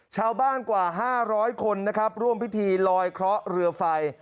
ชาวบ้านกว่า๕๐๐คนนะครับร่วมพิธีลอยเคราะห์เรือไฟ